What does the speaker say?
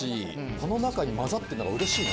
この中に交ざってるのうれしい。